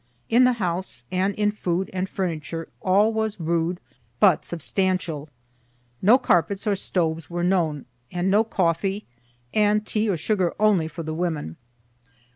In the house, and in food and furniture, all was rude, but substantial. No carpets or stoves were known, and no coffee, and tea or sugar only for the women.